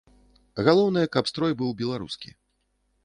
Галоўнае, каб строй быў беларускі.